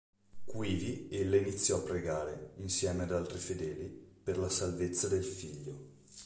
Quivi ella iniziò a pregare, insieme ad altri fedeli, per la salvezza del figlio.